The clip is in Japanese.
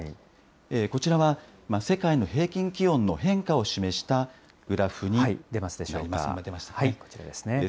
こちらは、世界の平均気温の変化を示したグラフになります。